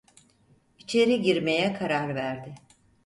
İçeri girmeye karar verdi.